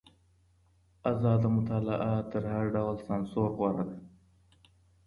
ازاده مطالعه تر هر ډول سانسور غوره ده.